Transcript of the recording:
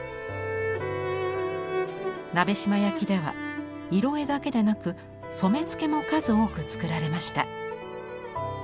鍋島焼では色絵だけなく染付も数多く作られました。